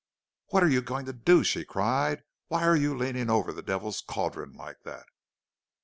"'What are you going to do?' she cried. 'Why are you leaning over the Devil's Cauldron like that?'